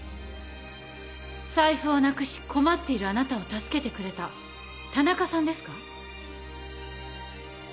財布をなくし困っているあなたを助けてくれた田中さんですか？